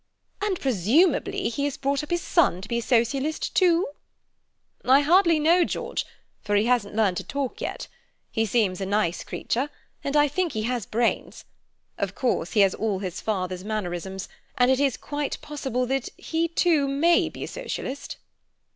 "And presumably he has brought up his son to be a Socialist, too?" "I hardly know George, for he hasn't learnt to talk yet. He seems a nice creature, and I think he has brains. Of course, he has all his father's mannerisms, and it is quite possible that he, too, may be a Socialist."